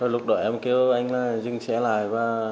lúc đó em kêu anh dừng xe lại